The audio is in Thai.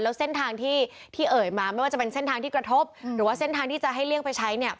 แล้วเส้นทางที่ที่เอ่ยมาไม่ว่าจะเป็นเส้นทางที่กระทบหรือว่าเส้นทางที่จะให้เลี่ยงไปใช้เนี่ย